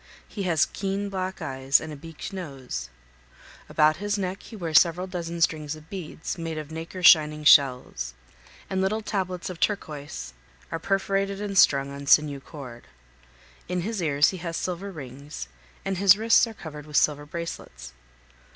He has keen black eyes and a beaked nose; about his neck he wears several dozen strings of beads, made of nacre shining shells, and little tablets of turkis are perforated and strung on sinew cord; in his ears he has silver rings, and his wrists are covered with silver bracelets.